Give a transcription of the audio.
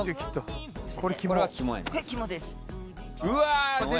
うわ！